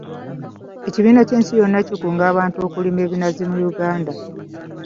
Ekibiina ky'ensi yonna kikunga abantu okulima ebinazi mu Uganda.